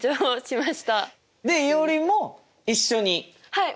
はい。